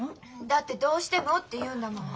だってどうしてもって言うんだもん。